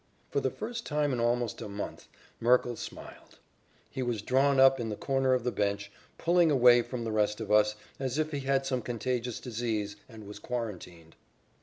For the first time in almost a month, Merkle smiled. He was drawn up in the corner of the bench, pulling away from the rest of us as if he had some contagious disease and was quarantined.